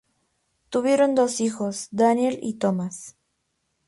Tuvieron dos hijos, Daniel y Thomas.